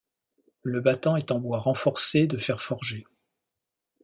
Le battant est en bois renforcé de fer forgé.